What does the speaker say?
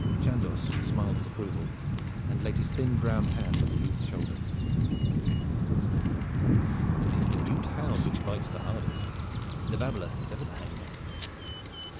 Chandos smiled his approval and laid his thin brown hand on the youth's shoulder. "Good!" said he. "It is the mute hound which bites the hardest. The babbler is ever the hang back.